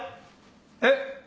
えっ？